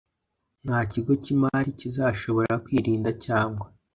nta kigo cy imari kizashobora kwirinda cyangwa